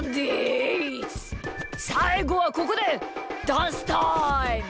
さいごはここでダンスタイム！